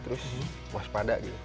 terus waspada gitu